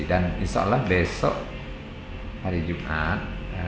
dan insya allah besok hari jumat